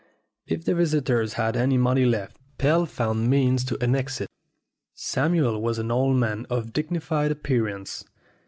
If the visitors had any money left, Pell found means to annex it. Samuel was an old man of dignified appearance.